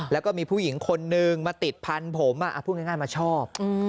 แล้วก็มีผู้หญิงคนนึงมาติดพันธุ์ผมพูดง่ายมาชอบ